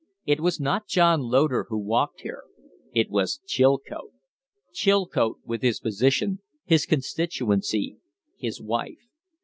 It was not John Loder who walked here; it was Chilcote Chilcote with his position, his constituency his wife.